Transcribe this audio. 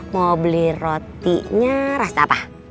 mau beli rotinya rasa apa